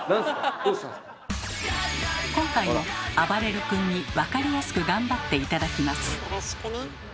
今回もあばれる君にわかりやすく頑張って頂きます。